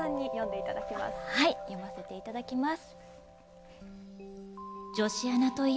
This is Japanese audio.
はい、読ませていただきます。